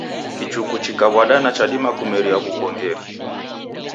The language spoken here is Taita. Kichuku chikaw'adana chadima kumeria w'uw'ongeri.